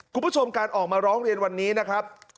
คุณผู้ชมการออกมาร้องเรียนวันนี้นะครับ